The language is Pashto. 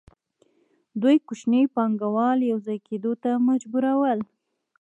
دوی کوچني پانګوال یوځای کېدو ته مجبورول